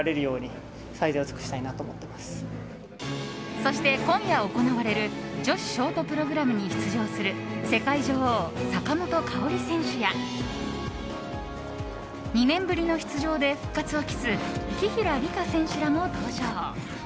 そして今夜行われる女子ショートプログラムに出場する世界女王、坂本花織選手や２年ぶりの出場で復活をきす紀平梨花選手らも登場。